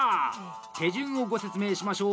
手順をご説明しましょう！